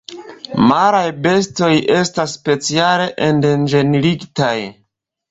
Maraj bestoj estas speciale endanĝerigitaj.